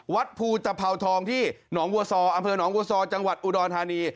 วัดภูตภาวทองที่หนองบัวซออำเภอหนองบัวซอจังหวัดอุดรธานี